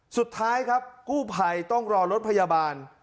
สุดท้ายครับกู้ภัยต้องรอรถพยาบาล